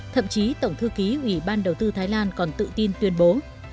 thậm chí tổng thư ký ủy ban đầu tư thái lan còn tự tin tuyên bố